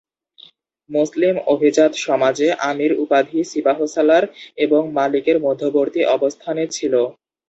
মুসলিম অভিজাত সমাজে আমীর উপাধি সিপাহসালার এবং মালিকের মধ্যবর্তী অবস্থানে ছিল।